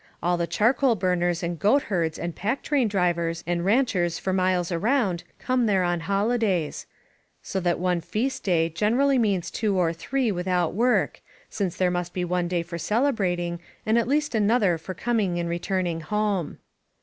All the charcoal burners and goat herds and pack train drivers and ranchers for miles around come there on holidays, — so that one feast day generally means two or three with out work, since there must be one day for celebrating, and at least another for coming and returning home.